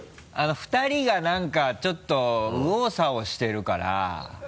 ２人が何かちょっと右往左往してるから。